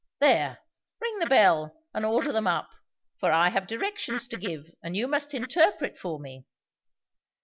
There, ring the bell, and order them up; for I have directions to give, and you must interpret for me."